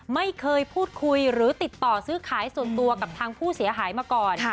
ไม่เคยพูดคุยหรือติดต่อซื้อขายส่วนตัวกับทางผู้เสียหายมาก่อน